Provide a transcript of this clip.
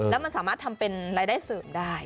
แล้วมันสามารถทำเป็นรายได้เสริมได้